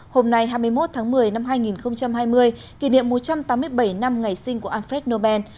hôm nay hai mươi một tháng một mươi năm hai nghìn hai mươi kỷ niệm một trăm tám mươi bảy năm ngày sinh của alfred nobel